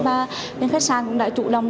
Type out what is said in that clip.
và bên khách sạn cũng đã chủ động